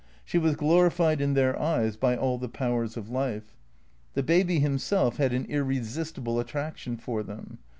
She was glorified in their eyes by all the powers of life. The baby himself had an irresistible attraction for them.